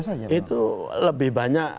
saja itu lebih banyak